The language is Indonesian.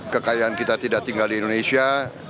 kekayaan kita tidak tinggal di indonesia